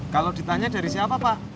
kalau ditanya dari siapa pak